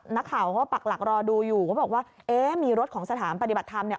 นักข่าวเขาก็ปักหลักรอดูอยู่เขาบอกว่าเอ๊ะมีรถของสถานปฏิบัติธรรมเนี่ย